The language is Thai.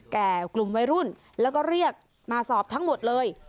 กลุ่มวัยรุ่นแล้วก็เรียกมาสอบทั้งหมดเลย